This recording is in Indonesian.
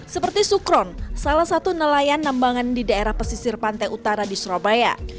seperti sukron salah satu nelayan nambangan di daerah pesisir pantai utara di surabaya